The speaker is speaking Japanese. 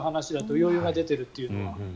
余裕が出ているというのが。